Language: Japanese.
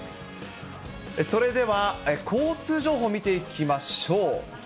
それでは交通情報を見ていきましょう。